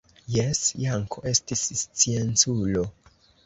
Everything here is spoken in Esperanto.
Jes, Janko estis scienculo.